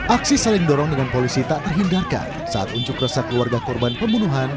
aksi saling dorong dengan polisi tak terhindarkan saat unjuk rasa keluarga korban pembunuhan